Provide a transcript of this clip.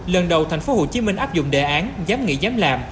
lần đầu thành phố hồ chí minh áp dụng đề án giám nghị giám làm